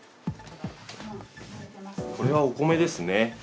これはお米ですね。